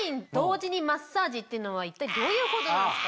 っていうのは一体どういうことなんですか？